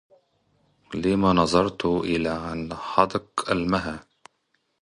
لما نظرت إلي عن حدق المها